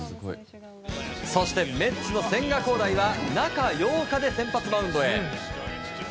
そしてメッツの千賀滉大は中８日で先発マウンドへ。